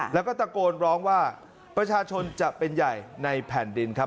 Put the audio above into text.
แล้วก็ตะโกนร้องว่าประชาชนจะเป็นใหญ่ในแผ่นดินครับ